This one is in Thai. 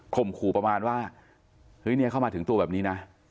มขู่ประมาณว่าเฮ้ยเนี่ยเข้ามาถึงตัวแบบนี้นะ